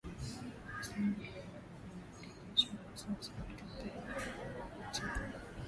wakisema ndio mmeandikishwa basi wasema tupeni namba za uwanachama